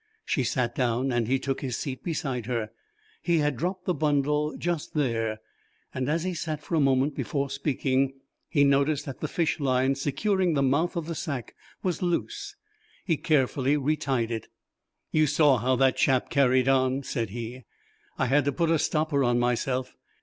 She sat down and he took his seat beside her. He had dropped the bundle just there, and as he sat for a moment before speaking he noticed that the fish line securing the mouth of the sack was loose, he carefully retied it. "You saw how that chap carried on," said he, "I had to put a stopper on myself.